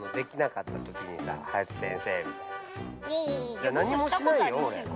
じゃなにもしないよオレ。